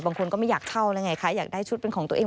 บางคนก็ไม่อยากเข้าอยากได้ชุดเป็นของตัวเอง